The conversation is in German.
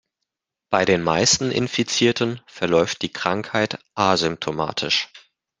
Bei den meisten Infizierten verläuft die Krankheit asymptomatisch.